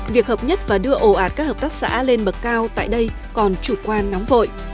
việc hợp nhất và đưa ổ ạt các hợp tác xã lên bậc cao tại đây còn chủ quan nóng vội